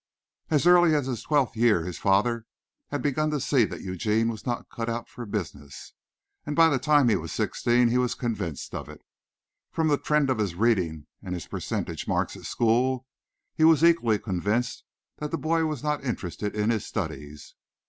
As early as his twelfth year his father had begun to see that Eugene was not cut out for business, and by the time he was sixteen he was convinced of it. From the trend of his reading and his percentage marks at school, he was equally convinced that the boy was not interested in his studies.